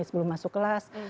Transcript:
jadi sebelum masuk kelas